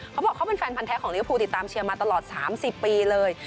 เขาบอกเขาเป็นแฟนพันธ์แท้ของลิวภูติดตามเชียร์มาตลอด๓๐ปีเลย